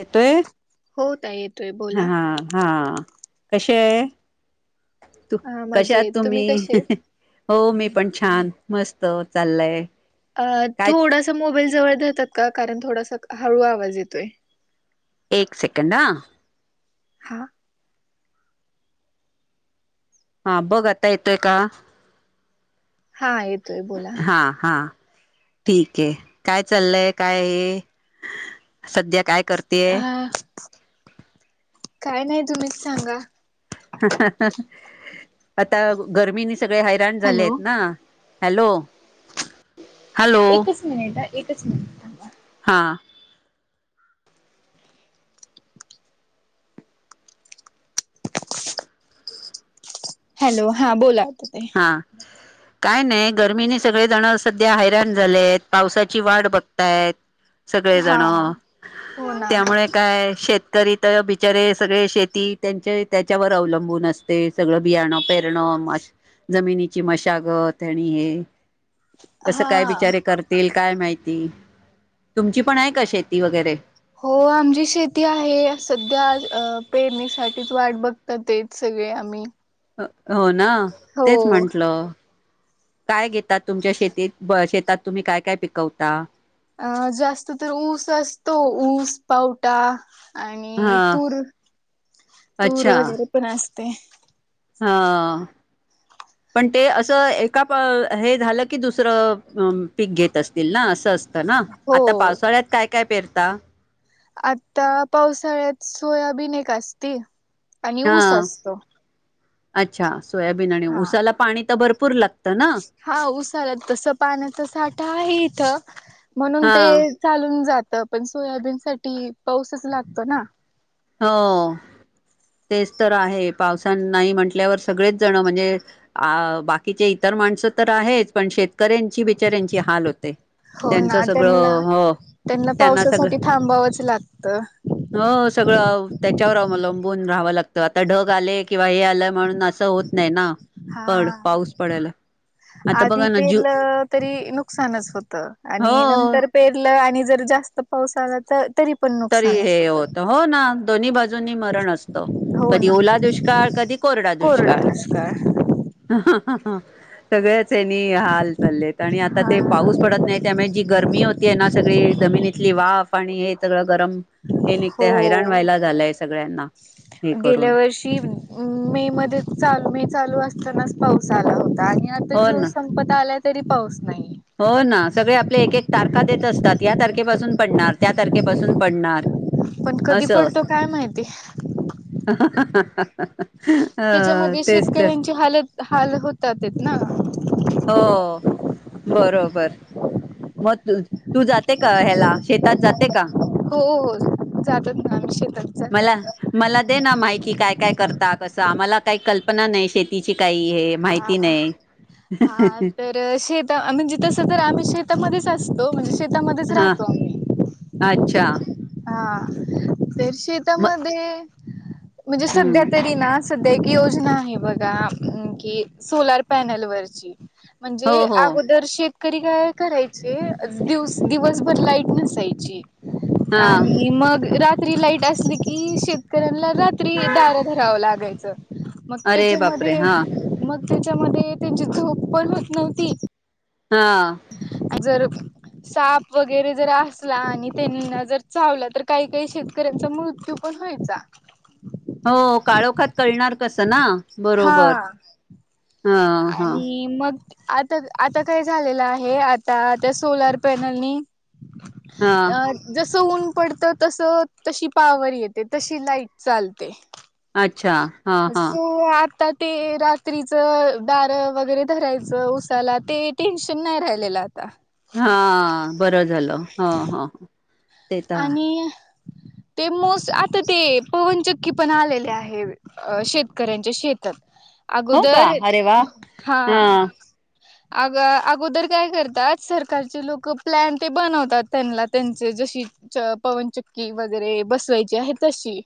येतोय? हो ताई येतोय हा बोला हा कशी आहे तू अ कश्या आहे मजेत तुम्ही कसे आहेत? हो मी पण छान मस्त चाललय. अ कायच थोडासा मोबाईल जवळ धरतात का कारण थोडासा हळू आवाज येतोय. एक सेकंड ह. हा. हा बघ आता येतोय का? हा येतोय. बोला हा हा. ठीक आहे काय चाललंय काय सध्या काय? करतेय हा काय नाही तुम्हीच सांगा. आता गर्मीनी सगळे हैराण झाले हॅलो आहेत ना. हॅलो. हॅलो एकच मिनिट अ एकच मिनट थांबा. हा हो [inaudible] हॅलो हा बोला त ते. काय नाही गर्मीने सगळेजण सध्या हैराण झालेत पावसाची वाट बघतायेत. हा सगळेजण हो ना त्यामुळे काय शेत. तरी तर बिचारे सगळे शेती त्यांचे त्याच्यावर अवलंबून असते सगळं बियाणं पेरणं. जमिनीची मशागत आणि हे कस हा काय बिचारे करतील. काय माहिती तुमची पण आहे का शेती वगैरे हो आमची शेती आहे सध्या पेरणीसाठीच वाट बघतात ते सगळे. आमही हो ना तेच म्हंटलं. काय घेतात तुमच्या शेतीत शेतात तुम्ही काय काय पिकवता. अं जास्त तर ऊस असतो ऊस पावटा आणि हा तूर तूर अच्छा वगैरे पण असते. हा. पण ते असं एका हे झालं की दुसरं पीक घेत असतील ना अस. असत ना हो आता पावसाळ्यात काय काय पेरता. आता पावसाळ्यात सोयाबीन एक असती. आणि ऊस हा असतो. अच्छा सोयाबीन आणि हा उसाला पाणी तर भरपूर लागत. हा उसालात तस पाण्याचा साठा आहे इथं. म्हणून हा ते चालून जात पण सोयाबीन साठी पाऊसच लागतो ना. हो. तेच तर आहे पावसान नाही म्हंटल्यावर सगळेच जण म्हणजे अ बाकीचे इतर माणसं तर आहेच पण शेतकऱ्यांची बिचाऱ्यांची हाल होते. हो त्यांचं ना त्यांना सगळं हो त्यांना सगळं पावसासाठी थांबावंच लागत हो. सगळं त्याच्यावर अवलंबून राहावं लागतं आता ढग आले किंवा हे आलं म्हणून असं होत नाही ना. हा पण पाऊस पड्याला आधी पेरलं तरी नुकसानच होत आणि हो नंतर पेरलं आणि जर जास्त पाऊस आला तर तरी पण तरी नुकसानच हे होत. होतं हो ना दोन्ही मरण असत हो कधी ना ओला दुष्काळ कधी कोरडा दुष्काळ कोरड दुष्काळ ह ह ह. नी हाल चाललेत आणि आता हा ते पाऊस पडत नाही त्यामुळे जी गरमी होतीय ना सगळी जमिनीतली वाफ पाणी हे सगळं गरम हे निघत हो हैराण व्हायला झालंय सगळ्यांना. हे गेल्या करून वर्षी मे मध्ये चाल मे चालू अस. णच पाऊस आला होता आणि आता हो जून ना संपत आलाय तरी पाऊस नाही हो ना सगळे आपले एक एक तारखा देत असतात या तारखेपासून पडणार त्या तारखे ून पडणार पण कधी अस. पडतो काय माहिती त्याच्यामध्ये तर शेतकऱ्यांची [inaudible] हालत हाल होतातेत ना हो बरोबर म तू जाते का ह्याला शेतात जाते का? हो- हो [inaudible] मला जात्यात मला दे आम्ही ना माहिती काय शेतात काय करता जात्यात. कसं आम्हाला काही कल्पना नाही शेती हा- हा-हा तर शेेत- म्हणजे तसं तर आम्ही श [inaudible] शेतामध्येच असतो म्हणजे शेतामध्येच हा राहतो आम्ही अच्छा हा [inaudible] तर म शेतामध्ये म्हणजे सध्या हम्म तरी ना सध्या [inaudible] एक योजना आहे बघा म कि, सोलार पॅनल वरची म्हणजे हो हो अगोदर शेत करी काय करायचे, दिवस दिवसभर लाईट नसायची. हा आणि मग [inaudible] रात त्री लाईट असली की, शेतकऱ्यांला रात्री दार धरावं लागायचं. मग अरे बापरे त्याच्यामध्ये हा मग त्याच्यामध्ये [inaudible] त्यांची झोप पण होत नव्हती. हा ह [inaudible] साप वगैरे जर असला [inaudible] आणि त्यांना जर चावला तर काही काही शेतकऱ्यांचा मृत्यू पण हो व्हायचा हो काळोखात कळणार कस ना बरोबर हा हा हा आणि मग आता- आता काय झालेलं आहे आता त्या सोलार पॅनलनी हा अ जस [inaudible] जस ऊन पडत तस -तशी पॉवर येते तशी लाईट चालते. अच्छा हा हा सो आता ते रात्रीच दारं वगैरे धरायचं उसाला ते टेन्शन नाही राहिलेलं आता हा बरं झालं हं हं आणि ते मोस्- आता ते पवनचक्की पण आलेले आहे शेतकऱ्यांच्या शेतात. हो अगोदर का अरे वा हा... अग अगोदर काय करतात सरकारचे लोक प्लॅन ते बनवतात त्यांना त्यांचे जशी च पवनचक्की वगैरे बसवायची आहे तशी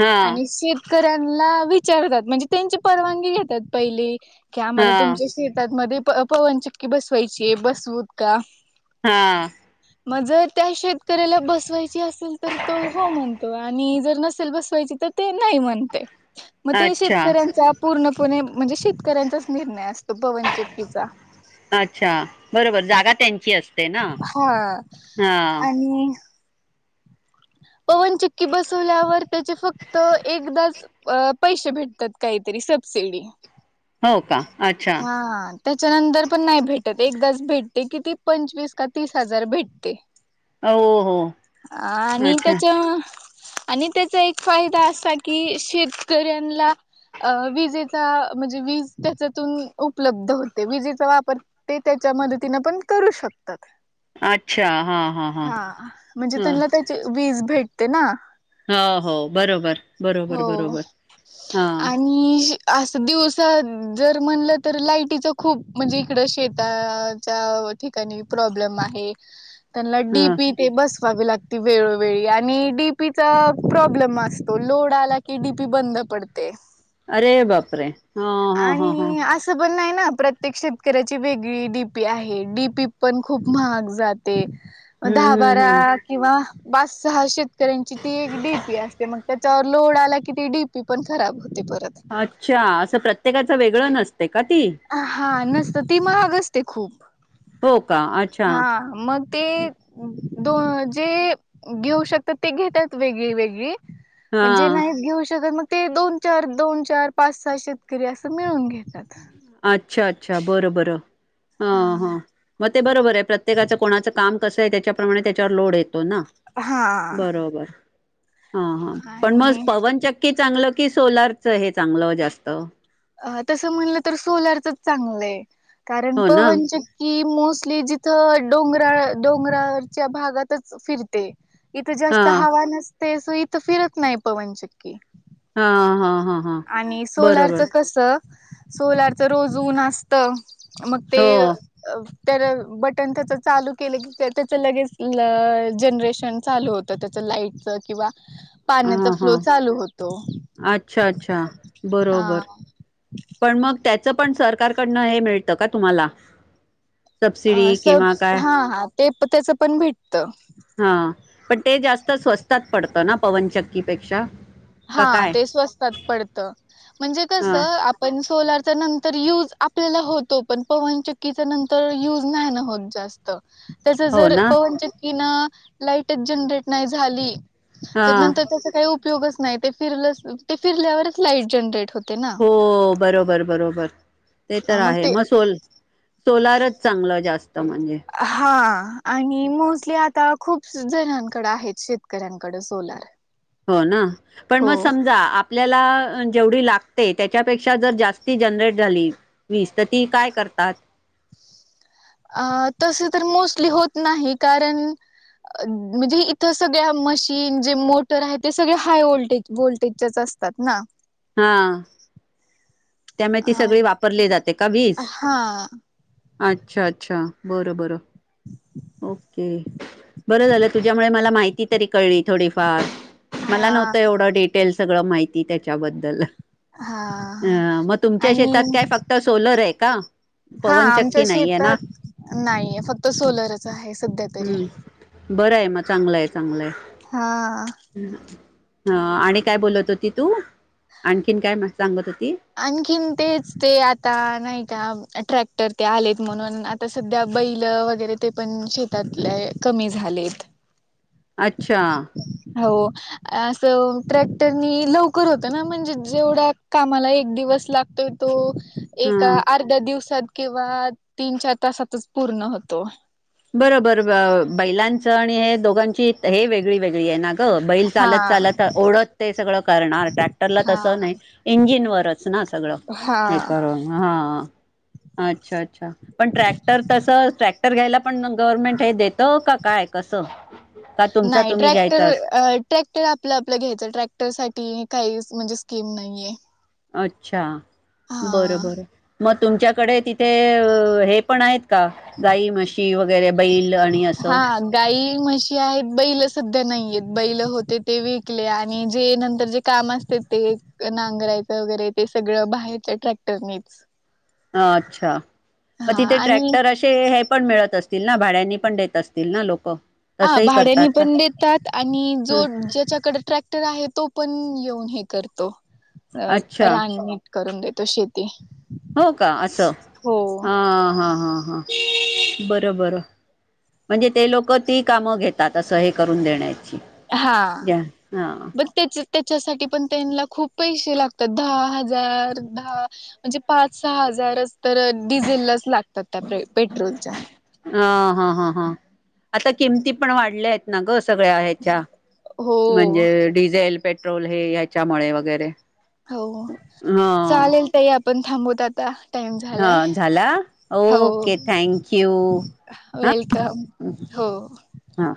हा आणि शेत कऱ्यांना विचारतात म्हणजे त्यांची परवानगी घेत्यात पहिली. की आम्हाला हा तुमच्या शेतातमध्येध्ये पवनचक्की बसवायची बसवूत का? हा मग जर त्या शेतकऱ्याला बसवायची असेल तर तो हो म्हणतो आणि जर नसेल बसवायची तर ते नाही म्हणतय म ते अच्छा शेतकऱ्यांचा पूर्ण पणे म्हणजे शेतकऱ्यांचाच निर्णय असतो पवनचक्कीचा. अच्छा बरोबर जागा त्यांची असते ना हा हा आणि [inaudible] पवनचक्की बसवल्यावर त्याचे फक्त एकदाच पैशे भेटतात काहीतरी स सेडी, हो का अच्छा हा त्याच्यानंतर पण नाही भेट एकदाच भेटते किती पंचवीस का तीस हजार भेटते अ. हो.. आणि अच्छा त्याच्या आणि त्याचा एक फायदा असा कि शेतकऱ्यांनला अ विजेचा म्हणजे वीज त्याच्यातून उपलब्ध होते विजेचा वापर ते त्याच्या त्या मदतीने पण करू शकतात. अच्छा हा हा हा म्हणजे हा त्यांना त्याची वीज भेटते ना हो हो बरोबर बरोबर हो बरोबर हा आणि असं दिवसा जर म्हणलं तर लायटीच खूप म्हणजे इकड शेताच्या [unintelligible] ठिकाणी प्रोब्लेम आहे त्यांना हा डीपी ते बसवावे लागते वेळोवेळी आणि डीपीचा प्रॉब्लेम असतो लोड आला की डी पी बंद पडते ते - अरे बापरे हा हा हा हा आणि अस पण नाही ना प्रत्येक शेतकऱ्याची वेगळी डी पी आहे डी पी पण खूप महाग जाते दहा हम्म हम्म बारा हम्म किंवा पाच सहा शेतकऱ्यांची ती एक डी पी असते मग त्याच्यावर लोड आला कि त डी पी पण खराब होते परत अच्छा असं प्रत्येकाचं वेगळं नसत हा नसत ती महाग असते खूप होक हा मग ते दो जे घेऊ शकतात ते घेतात वेगळी वेगळी हा म्हणजे नाहीच घेऊ शकत मग ते दोन चार दोन चार पाच सहा शेतकरी असं मिळून घेतात अच्छा अच्छा बरं बरं ह हो मग ते बरोबर आहे प्रत्येकाचं कोणाचं काम कसं आहे त्याच्याप्रमाणे त्याच्यावर लोड आहेत हा ब आणि प की सोलारच हे चांगलं जास्त तस म्हणलं तर सोलारचच चांगलंय कारण हो ना? पवनचक्की मोस्टली जिथं डोंगराळ डोंगराळच्या भागातच फिरते इथं जास्त हां. हवा नसते सो इथं फिरत नाही पवनचक्की हा हा आणि सोलारच कसं सोलारच रोज उऊन असत मग ते हो. तर बटन त्याच चालू केलं की त्याच लगेच जनरेशन चालू होतं त्याच लाईट किंवा पाण्याचा हां, फ्लो हां. चालू होतो ब हा प म पण सरकारकडनं हे मिळत का तुम्हाला सबसिडी सब किंवा काय हा हा ते त्याचं पण भेटत हां. पण ते जास्त स्वस्तात पडतं ना पवनचक्कीपेक्षा हा का काय? ते स्वस्तात पडत म्हणजे कस हां. आपण सोलारचा नंतर यूज आपल्याला होतो पण पवनचक्कीचा नंतर यूज नाही ना होत जास्त त्यास हो जर ना? पवनचक्की ना लाईटच जनरेट नाही झाली हां. त्यानंतर त्याचा काही उपयोगच नाही फिर फिरल्यावरच लाईट जनरेट होत हो बरोबर बरोबर ते तर मग आहे ते म सोल सोलारच चांगलं जास्त म्हणजे. हा आणि मोस्टली आता खूप जणांकड आहेत शेतकऱ्यांकड सोलार हो ना पण हो. मग समजा आपल्याला जेवढी लागते त्याच्यापेक्षा जर जास्ती जनरेट झाली वीज तर ती काय करतात अ तस तर मोस्टली होत नाही कारण म्हणजे इथं सगळ्या मशीन जे मोटर आहे ते सगळे हाय व्ह्टेज व्होल्टेजच्याच असतात ना हा त्यामुळे ती सगळी आणि वापरली जाते का वीस हा अच्छा अच्छा बरं बरं... ओके बर झालं तुझ्यामुळे मला माहिती तरी कळली थोडीफार... मला हा नव्हतं एवढं डिटेल सगळं माहिती त्याच्याबद्दल.. हा अ मग तुमच्या शेतात आणि काय फक्त सोलर आहे... का? हा आमच्या पवनचक्की नाहीये ना? शेतात नाहीय फक्त सोलरच आहे सध्या तरी... हं. बरं आहे मग चांगलं आहे चांगलं आहे. हा... ह आणि काय बोलत होती. तू आणखीन काय सांगत होती. आणखीन तेच ते आता नाही का.. ट्रॅक्टर ते आलेत म्हणून आता सध्या बैल वगैरे ते पण शेतातले कमी झाले.. आठ.. अच्छा हो असं ट्रॅक्टरनी लवकर होत ना म्हणजे जेवढा कामाला... दिवस लागतोय तो एक ह अर्ध्या दिवसात... किंवा तीन चार तासातच पूर्ण होतो.. बरोबर बैलांच आणि हे दोघांची हे वेगळी वेगळी आहे. ना... बैल हा चालत चालत ओढत ते सगळ करणार ट्रॅक्टरला हा. तस नाही इंजिनवरच ना.. ह सगळं हा हे कर हा.... अच्छा अच्छा पण ट्रॅक्टर तस टॅ... तर घ्यायला पण गव्हर्नमेंट हे देतो का काय कसं.. का तुमचा नाही तुम्ही ट्रॅक्टर घ्यायचा असतो ट्रॅक्टर आपलं आपलं घ्यायचं ट्रॅक्टर सा काही म्हणजे... केम नाहीये... अच्छा हा. बरोबर मग तुमच्याकडे तिथे हे पण आहेत.. का गाई म्हशी वगैरे बैल आणि हा असं... गाई म्हशी आहेत बैल सध्या नाहीेत बैल होते ते विकले आणि जे नंतर जे काम असते. ते एक नांगरायचं वगैरे ते सगळं बाहेरच ट्रॅक्टरनेच.. अच्छा मग तिथे आणि ट्रॅक्टर असे हे त... पण मिळत असतील ना भाड्यांनी पण देत असतील ना लोक... हा तसंही भाड्यानी करतात का पण देतात आणि जो ह ज्याच्याकडे ट्रॅक्टर आहे तो पण येऊ... तो पण हे करतो रा अच्छा राननीट करून देतो शेती... हो का असं हो ह हां हां हा बरं बरं... म्हणजे ते लोक ती कामं घेतात असं हे करून देण्याच.. हा ब तेच... त्याच्यासाठी पण त्यांना खूप पैसे लागतात दहा हजार दहा म्हणजे पाच सहा... झालं तर डिझेलाच लागतात त्या पेट्रोलच्या.. हां हां हां हां आता किमती पण वाढल्या आहेत ना ग सगळ्या ह्याच्या हो. म्हणजे डिझेल पेट.. पेट्रोल हे याच्यामुळे वगैरे... हो ह चालेल ताई आपण थाबुत आता... टाइम हा झालाय झाला हो ओके थँक यू हा वेलकम... हो... हा...